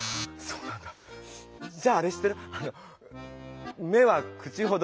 じゃああれ知ってる？